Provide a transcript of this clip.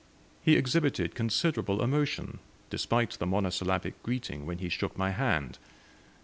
He exhibited considerable emotion, despite the monosyllabic greeting, when he shook my hand.